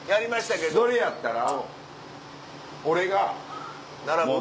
それやったら。